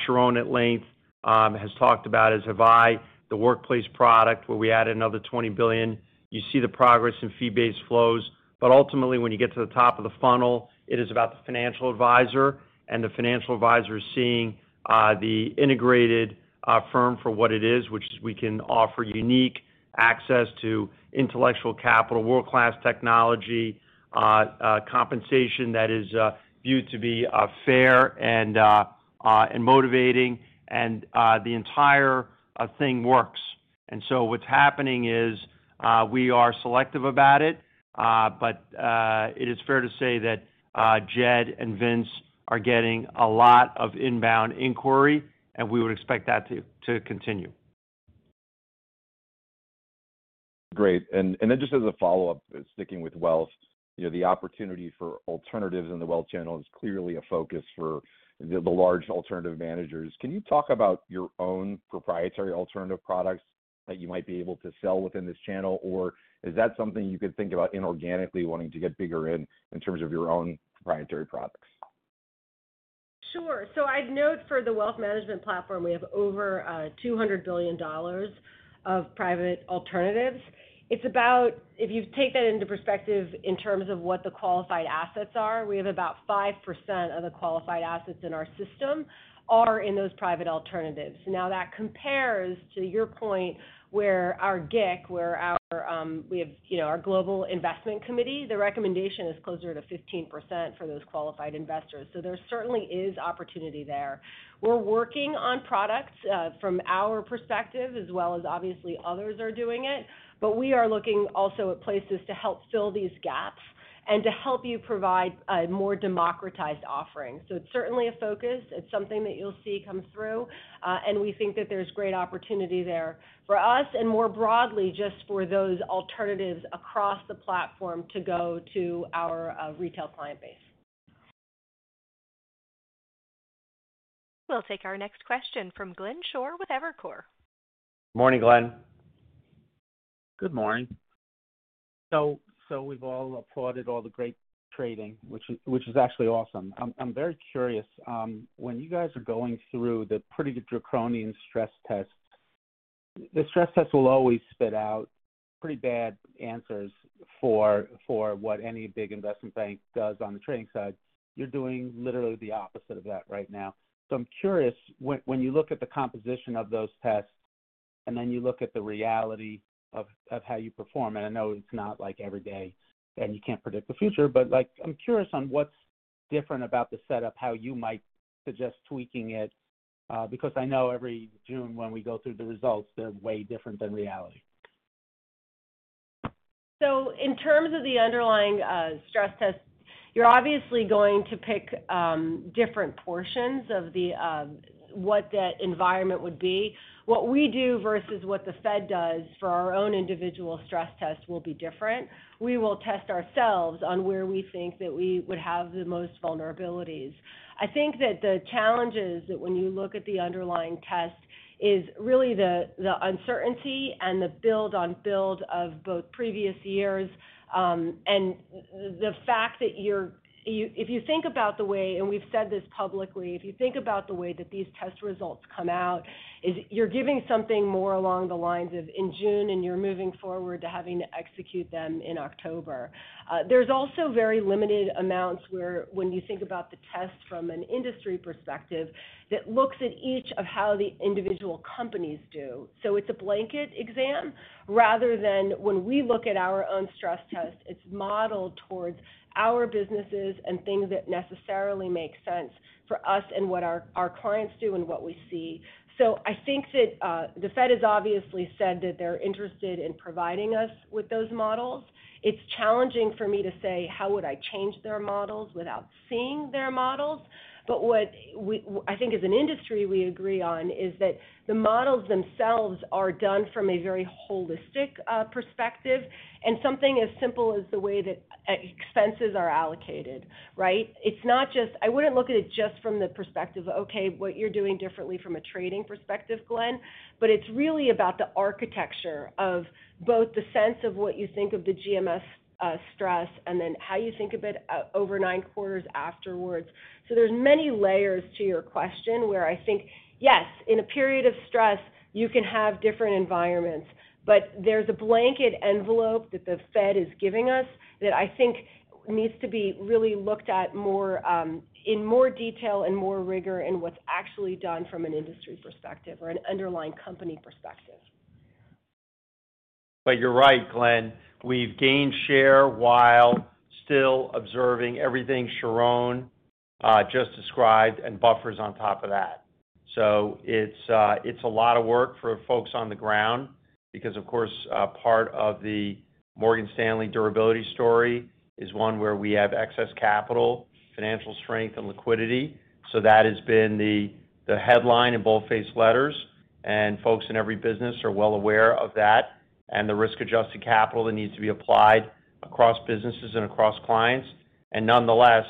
Sharon at length has talked about it, as have I, the workplace product where we added another $20 billion. You see the progress in fee-based flows. Ultimately, when you get to the top of the funnel, it is about the financial advisor, and the financial advisor is seeing the integrated firm for what it is, which is we can offer unique access to intellectual capital, world-class technology, compensation that is viewed to be fair and motivating, and the entire thing works. What is happening is we are selective about it, but it is fair to say that Jed and Vince are getting a lot of inbound inquiry, and we would expect that to continue. Great. Just as a follow-up, sticking with wealth, the opportunity for alternatives in the wealth channel is clearly a focus for the large alternative managers. Can you talk about your own proprietary alternative products that you might be able to sell within this channel, or is that something you could think about inorganically wanting to get bigger in in terms of your own proprietary products? Sure. I'd note for the wealth management platform, we have over $200 billion of private alternatives. If you take that into perspective in terms of what the qualified assets are, we have about 5% of the qualified assets in our system are in those private alternatives. Now, that compares to your point where our GIC, where we have our global investment committee, the recommendation is closer to 15% for those qualified investors. There certainly is opportunity there. We're working on products from our perspective as well as obviously others are doing it, but we are looking also at places to help fill these gaps and to help you provide a more democratized offering. It is certainly a focus. It is something that you'll see come through. We think that there's great opportunity there for us and more broadly just for those alternatives across the platform to go to our retail client base. We'll take our next question from Glenn Schorr with Evercore. Morning, Glenn. Good morning. We've all applauded all the great trading, which is actually awesome. I'm very curious. When you guys are going through the pretty draconian stress test, the stress test will always spit out pretty bad answers for what any big investment bank does on the trading side. You're doing literally the opposite of that right now. I'm curious, when you look at the composition of those tests and then you look at the reality of how you perform, and I know it's not like every day and you can't predict the future, but I'm curious on what's different about the setup, how you might suggest tweaking it, because I know every June when we go through the results, they're way different than reality. In terms of the underlying stress test, you're obviously going to pick different portions of what that environment would be. What we do versus what the Fed does for our own individual stress test will be different. We will test ourselves on where we think that we would have the most vulnerabilities. I think that the challenges that when you look at the underlying test is really the uncertainty and the build-on-build of both previous years and the fact that if you think about the way—we've said this publicly—if you think about the way that these test results come out, you're giving something more along the lines of in June and you're moving forward to having to execute them in October. There's also very limited amounts where when you think about the test from an industry perspective that looks at each of how the individual companies do. It's a blanket exam rather than when we look at our own stress test, it's modeled towards our businesses and things that necessarily make sense for us and what our clients do and what we see. I think that the Fed has obviously said that they're interested in providing us with those models. It's challenging for me to say, "How would I change their models without seeing their models?" What I think as an industry we agree on is that the models themselves are done from a very holistic perspective and something as simple as the way that expenses are allocated, right? It's not just—I wouldn't look at it just from the perspective of, "Okay, what you're doing differently from a trading perspective, Glenn," but it's really about the architecture of both the sense of what you think of the GMS stress and then how you think of it over nine quarters afterwards. There are many layers to your question where I think, yes, in a period of stress, you can have different environments, but there is a blanket envelope that the Fed is giving us that I think needs to be really looked at in more detail and more rigor in what is actually done from an industry perspective or an underlying company perspective. You are right, Glenn. We have gained share while still observing everything Sharon just described and buffers on top of that. It is a lot of work for folks on the ground because, of course, part of the Morgan Stanley durability story is one where we have excess capital, financial strength, and liquidity. That has been the headline in both face letters, and folks in every business are well aware of that and the risk-adjusted capital that needs to be applied across businesses and across clients. Nonetheless,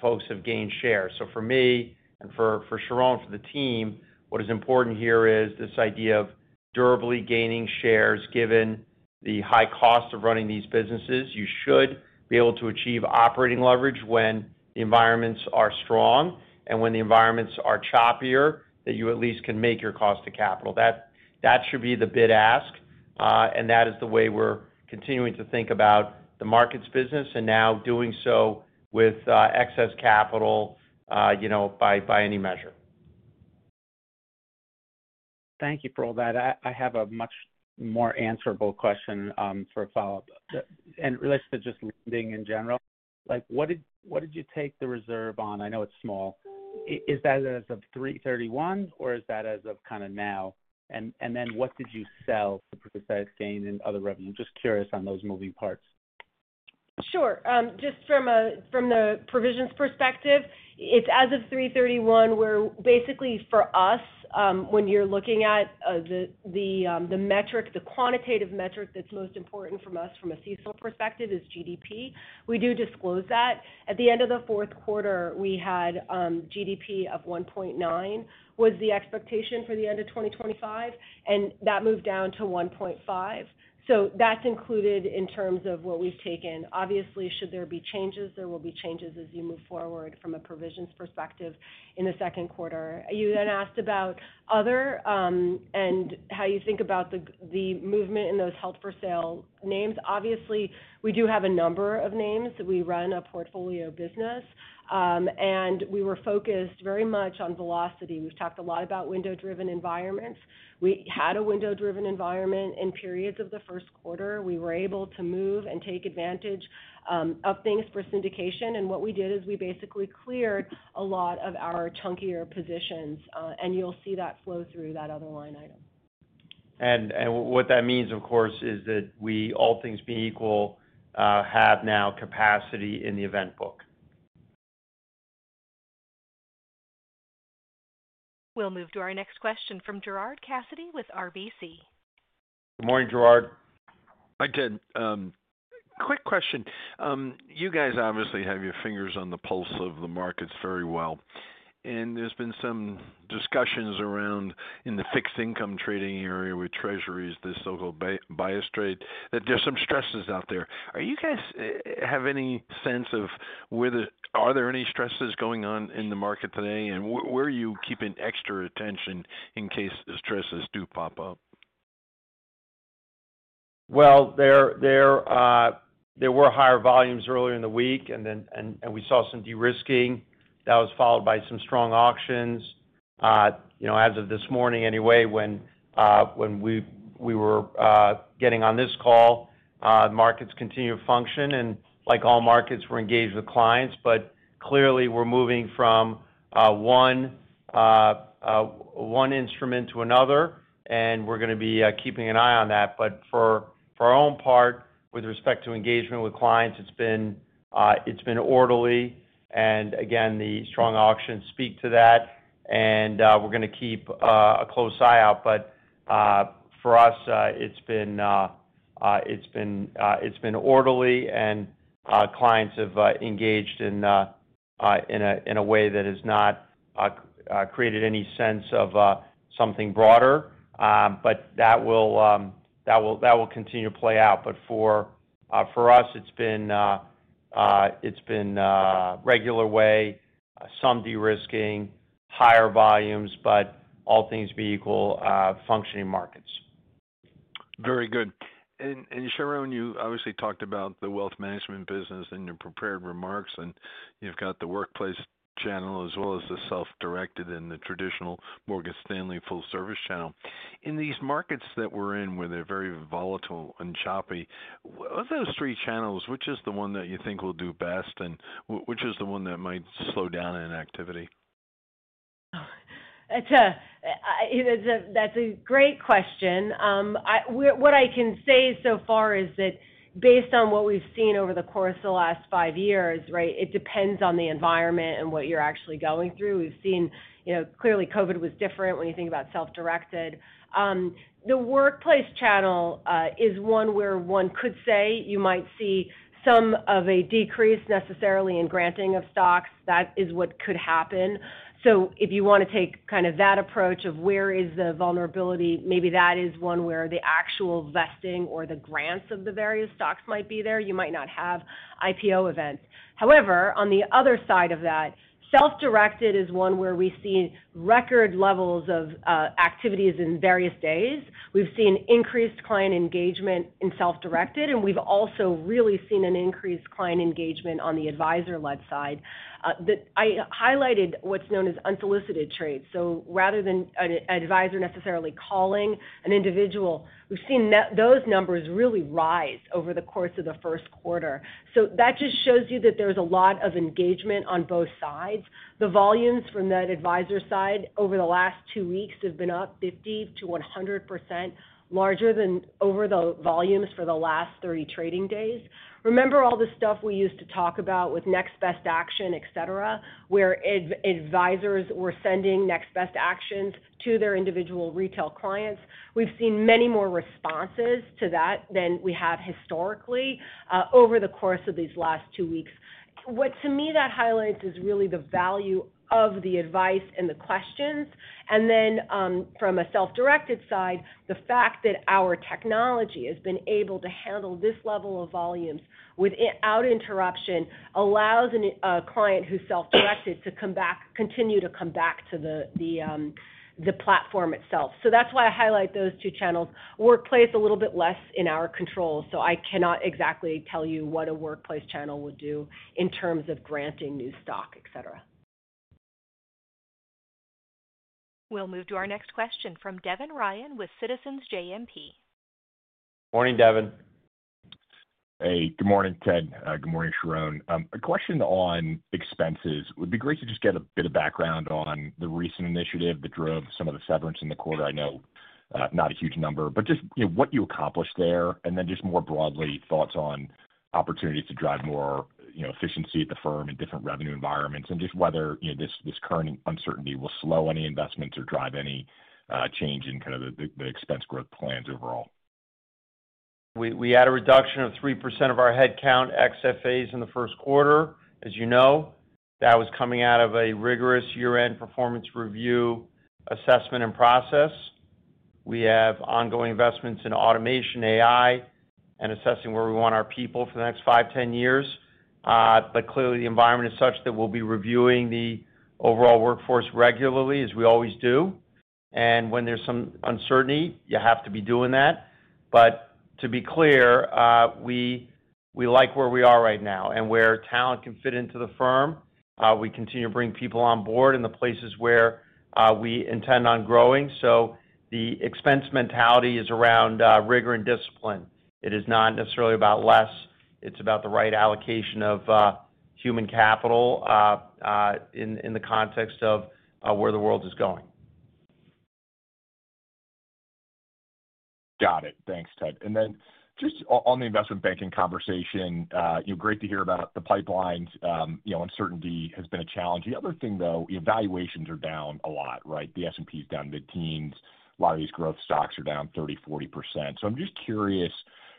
folks have gained share. For me and for Sharon and for the team, what is important here is this idea of durably gaining shares given the high cost of running these businesses. You should be able to achieve operating leverage when the environments are strong and when the environments are choppier, that you at least can make your cost of capital. That should be the bid ask, and that is the way we're continuing to think about the markets business and now doing so with excess capital by any measure. Thank you for all that. I have a much more answerable question for a follow-up. Related to just lending in general, what did you take the reserve on? I know it's small. Is that as of 3/31, or is that as of kind of now? What did you sell to gain in other revenue? Just curious on those moving parts. Sure. Just from the provisions perspective, it's as of 3/31 where basically for us, when you're looking at the quantitative metric that's most important from us from a CSO perspective is GDP. We do disclose that. At the end of the fourth quarter, we had GDP of 1.9 was the expectation for the end of 2025, and that moved down to 1.5. That's included in terms of what we've taken. Obviously, should there be changes, there will be changes as you move forward from a provisions perspective in the second quarter. You then asked about other and how you think about the movement in those held for sale names. Obviously, we do have a number of names. We run a portfolio business, and we were focused very much on velocity. We've talked a lot about window-driven environments. We had a window-driven environment in periods of the first quarter. We were able to move and take advantage of things for syndication. What we did is we basically cleared a lot of our chunkier positions, and you'll see that flow through that other line item. What that means, of course, is that we all things being equal have now capacity in the event book. We'll move to our next question from Gerard Cassidy with RBC. Good morning, Gerard. Hi, Ted. Quick question. You guys obviously have your fingers on the pulse of the markets very well. There's been some discussions around in the fixed income trading area with Treasuries, this so-called bias trade, that there's some stresses out there. Are you guys have any sense of are there any stresses going on in the market today? Where are you keeping extra attention in case stresses do pop up? There were higher volumes earlier in the week, and we saw some derisking that was followed by some strong auctions. As of this morning anyway, when we were getting on this call, markets continue to function. Like all markets, we are engaged with clients, but clearly we are moving from one instrument to another, and we are going to be keeping an eye on that. For our own part, with respect to engagement with clients, it has been orderly. Again, the strong auctions speak to that, and we are going to keep a close eye out. For us, it has been orderly, and clients have engaged in a way that has not created any sense of something broader, but that will continue to play out. For us, it's been regular way, some derisking, higher volumes, but all things being equal, functioning markets. Very good. Sharon, you obviously talked about the wealth management business in your prepared remarks, and you've got the workplace channel as well as the self-directed and the traditional Morgan Stanley full-service channel. In these markets that we're in where they're very volatile and choppy, of those three channels, which is the one that you think will do best, and which is the one that might slow down in activity? That's a great question. What I can say so far is that based on what we've seen over the course of the last five years, right, it depends on the environment and what you're actually going through. We've seen clearly COVID was different when you think about self-directed. The workplace channel is one where one could say you might see some of a decrease necessarily in granting of stocks. That is what could happen. If you want to take kind of that approach of where is the vulnerability, maybe that is one where the actual vesting or the grants of the various stocks might be there. You might not have IPO events. However, on the other side of that, self-directed is one where we see record levels of activities in various days. We have seen increased client engagement in self-directed, and we have also really seen an increased client engagement on the advisor-led side. I highlighted what is known as unsolicited trades. Rather than an advisor necessarily calling an individual, we have seen those numbers really rise over the course of the first quarter. That just shows you that there is a lot of engagement on both sides. The volumes from that advisor side over the last two weeks have been up 50%-100%, larger than over the volumes for the last 30 trading days. Remember all the stuff we used to talk about with next best action, etc., where advisors were sending next best actions to their individual retail clients. We've seen many more responses to that than we have historically over the course of these last two weeks. What to me that highlights is really the value of the advice and the questions. From a self-directed side, the fact that our technology has been able to handle this level of volumes without interruption allows a client who's self-directed to continue to come back to the platform itself. That's why I highlight those two channels. Workplace a little bit less in our control. I cannot exactly tell you what a workplace channel will do in terms of granting new stock, etc. We'll move to our next question from Devin Ryan with Citizens JMP. Morning, Devin. Hey, good morning, Ted. Good morning, Sharon. A question on expenses. It would be great to just get a bit of background on the recent initiative that drove some of the severance in the quarter. I know not a huge number, but just what you accomplished there and then just more broadly thoughts on opportunities to drive more efficiency at the firm in different revenue environments and just whether this current uncertainty will slow any investments or drive any change in kind of the expense growth plans overall. We had a reduction of 3% of our headcount XFAs in the first quarter, as you know. That was coming out of a rigorous year-end performance review assessment and process. We have ongoing investments in automation, AI, and assessing where we want our people for the next five, 10 years. Clearly, the environment is such that we'll be reviewing the overall workforce regularly, as we always do. When there's some uncertainty, you have to be doing that. To be clear, we like where we are right now and where talent can fit into the firm. We continue to bring people on board in the places where we intend on growing. The expense mentality is around rigor and discipline. It is not necessarily about less. It's about the right allocation of human capital in the context of where the world is going. Got it. Thanks, Ted. And then just on the investment banking conversation, great to hear about the pipelines. Uncertainty has been a challenge. The other thing, though, valuations are down a lot, right? The S&P is down to the teens. A lot of these growth stocks are down 30%-40%. I'm just curious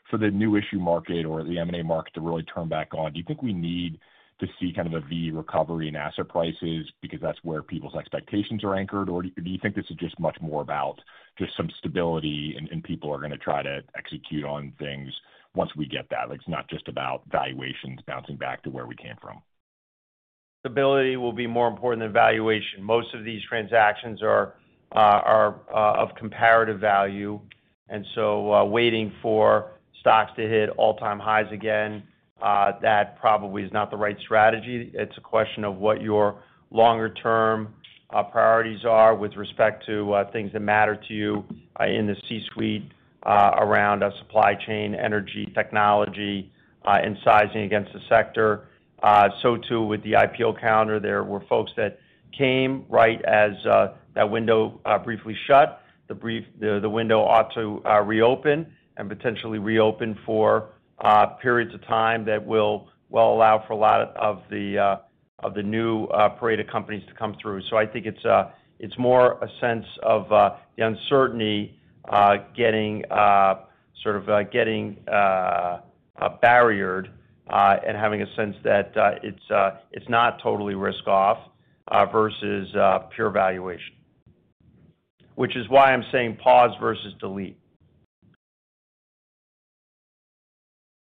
for the new issue market or the M&A market to really turn back on. Do you think we need to see kind of a V recovery in asset prices because that's where people's expectations are anchored, or do you think this is just much more about just some stability and people are going to try to execute on things once we get that? It's not just about valuations bouncing back to where we came from. Stability will be more important than valuation. Most of these transactions are of comparative value. And so waiting for stocks to hit all-time highs again, that probably is not the right strategy. It's a question of what your longer-term priorities are with respect to things that matter to you in the C-suite around supply chain, energy, technology, and sizing against the sector. Too with the IPO calendar. There were folks that came right as that window briefly shut, the window ought to reopen and potentially reopen for periods of time that will allow for a lot of the new parade of companies to come through. I think it's more a sense of the uncertainty sort of getting barriered and having a sense that it's not totally risk-off versus pure valuation, which is why I'm saying pause versus delete.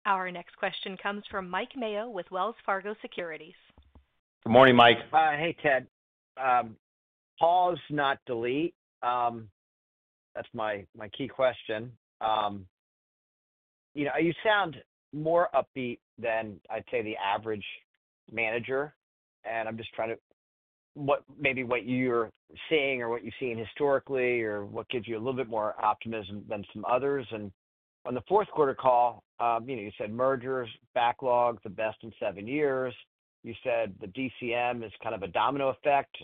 Our next question comes from Mike Mayo with Wells Fargo Securities. Good morning, Mike. Hi, Ted. Pause, not delete. That's my key question. You sound more upbeat than I'd say the average manager. I'm just trying to maybe what you're seeing or what you've seen historically or what gives you a little bit more optimism than some others. On the fourth quarter call, you said mergers, backlog, the best in seven years. You said the DCM is kind of a domino effect,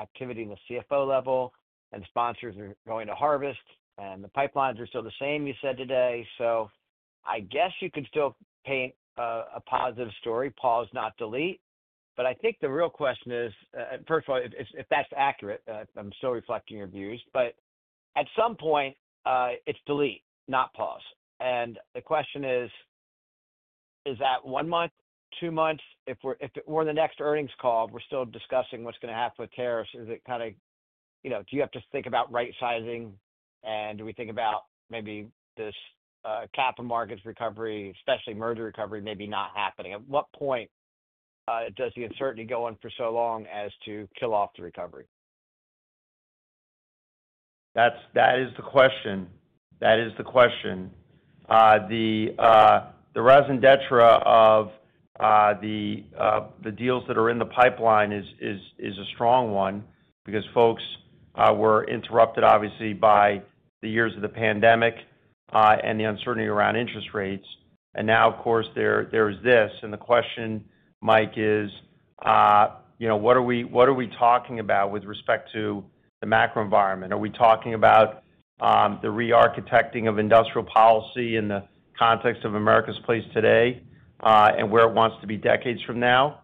activity in the CFO level, and sponsors are going to harvest, and the pipelines are still the same, you said today. I guess you could still paint a positive story, pause, not delete. I think the real question is, first of all, if that's accurate, I'm still reflecting your views, but at some point, it's delete, not pause. The question is, is that one month, two months? If we're in the next earnings call, we're still discussing what's going to happen with tariffs. Is it kind of do you have to think about right-sizing, and do we think about maybe this capital markets recovery, especially merger recovery, maybe not happening? At what point does the uncertainty go on for so long as to kill off the recovery? That is the question. That is the question. The raison d'être of the deals that are in the pipeline is a strong one because folks were interrupted, obviously, by the years of the pandemic and the uncertainty around interest rates. Now, of course, there is this. The question, Mike, is what are we talking about with respect to the macro environment? Are we talking about the re-architecting of industrial policy in the context of America's place today and where it wants to be decades from now?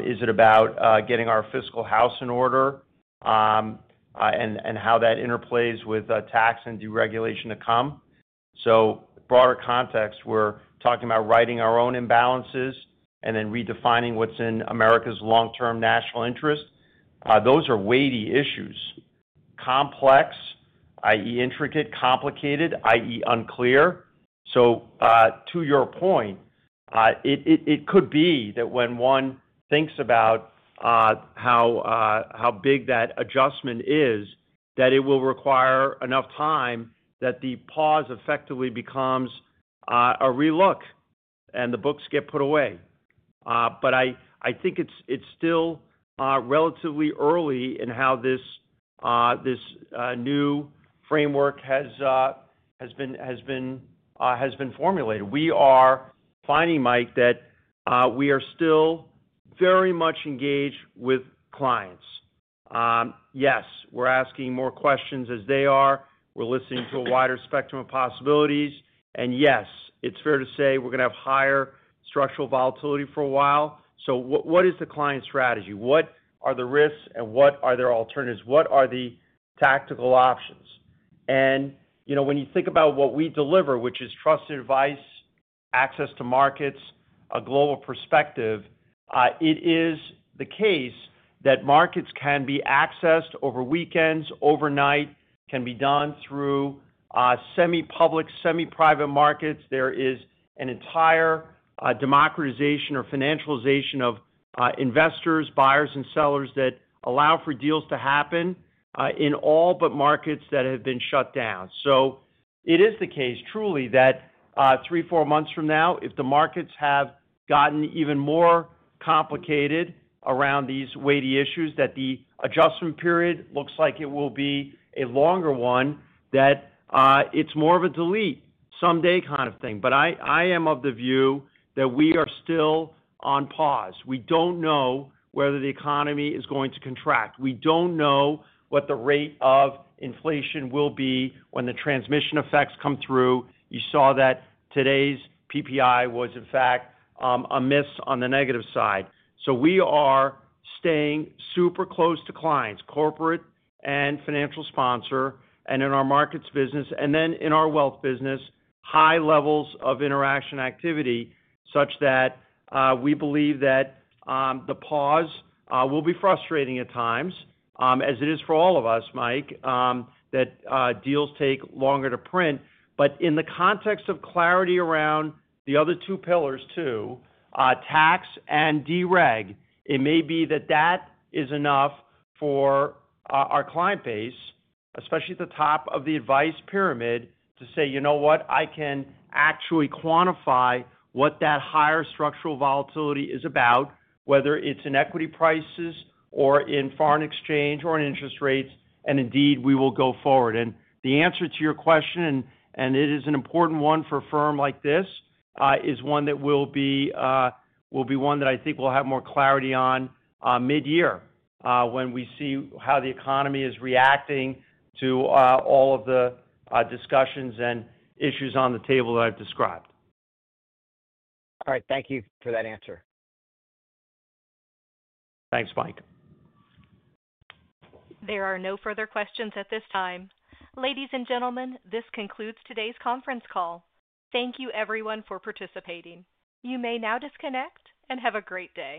Is it about getting our fiscal house in order and how that interplays with tax and deregulation to come? Broader context, we're talking about writing our own imbalances and then redefining what's in America's long-term national interest. Those are weighty issues, complex, i.e., intricate, complicated, i.e., unclear. To your point, it could be that when one thinks about how big that adjustment is, that it will require enough time that the pause effectively becomes a re-look and the books get put away. I think it's still relatively early in how this new framework has been formulated. We are finding, Mike, that we are still very much engaged with clients. Yes, we're asking more questions as they are. We're listening to a wider spectrum of possibilities. Yes, it's fair to say we're going to have higher structural volatility for a while. What is the client strategy? What are the risks, and what are their alternatives? What are the tactical options? When you think about what we deliver, which is trusted advice, access to markets, a global perspective, it is the case that markets can be accessed over weekends, overnight, can be done through semi-public, semi-private markets. There is an entire democratization or financialization of investors, buyers, and sellers that allow for deals to happen in all but markets that have been shut down. It is the case, truly, that three, four months from now, if the markets have gotten even more complicated around these weighty issues, that the adjustment period looks like it will be a longer one, that it's more of a delete-someday kind of thing. I am of the view that we are still on pause. We don't know whether the economy is going to contract. We do not know what the rate of inflation will be when the transmission effects come through. You saw that today's PPI was, in fact, a miss on the negative side. We are staying super close to clients, corporate and financial sponsor, and in our markets business, and then in our wealth business, high levels of interaction activity such that we believe that the pause will be frustrating at times, as it is for all of us, Mike, that deals take longer to print. In the context of clarity around the other two pillars, too, tax and dereg, it may be that that is enough for our client base, especially at the top of the advice pyramid, to say, You know what? I can actually quantify what that higher structural volatility is about, whether it's in equity prices or in foreign exchange or in interest rates, and indeed, we will go forward. The answer to your question, and it is an important one for a firm like this, is one that will be one that I think we'll have more clarity on mid-year when we see how the economy is reacting to all of the discussions and issues on the table that I've described. All right. Thank you for that answer. Thanks, Mike. There are no further questions at this time. Ladies and gentlemen, this concludes today's conference call. Thank you, everyone, for participating. You may now disconnect and have a great day.